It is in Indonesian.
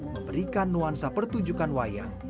memberikan nuansa pertunjukan wayang